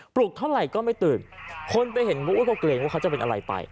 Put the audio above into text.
ลุกเท่าไหร่ก็ไม่ตื่นคนไปเห็นก็เกรงว่าเขาจะเป็นอะไรไป